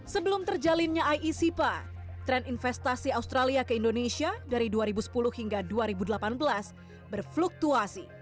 sebelum terjalinnya isipa tren investasi australia ke indonesia dari dua ribu sepuluh hingga dua ribu delapan belas berfluktuasi